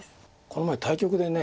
この前対局で。